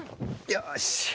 よし。